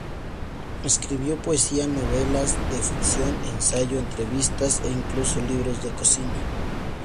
Escribió poesía, novelas de ficción, ensayo, entrevistas e incluso libros de cocina.